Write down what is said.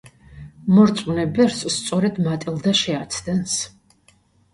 მორწმუნე ბერს სწორედ მატილდა შეაცდენს.